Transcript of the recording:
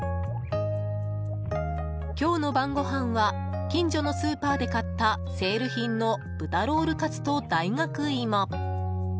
今日の晩ごはんは近所のスーパーで買ったセール品の豚ロールカツと大学芋。